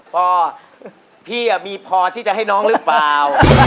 พอพี่มีพอที่จะให้น้องหรือเปล่า